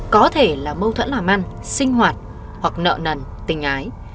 có thể là mâu thuẫn làm ăn sinh hoạt hoặc nợ nần tình ái